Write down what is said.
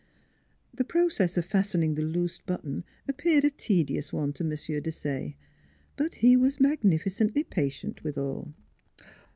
... The process of fasten ing the loose button appeared a tedious one to M. Desaye, but he was magnificently patient withal.